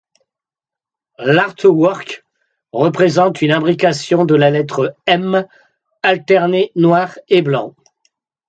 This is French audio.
L'artwork représente une imbrication de la lettre M alterné noir et blanc.